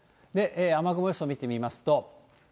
雨雲予想を見てみますと。